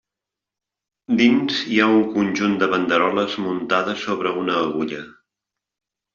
Dins hi ha un conjunt banderoles muntades sobre una agulla.